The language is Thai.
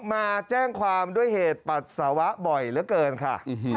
มาแจ้งความด้วยเหตุปัสสาวะบ่อยเหลือเกินค่ะ